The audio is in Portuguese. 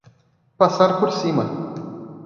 Passar por cima